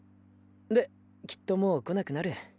できっともう来なくなる。